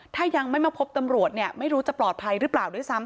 ถ้ายังไม่มาพบตำรวจเนี่ยไม่รู้จะปลอดภัยหรือเปล่าด้วยซ้ำ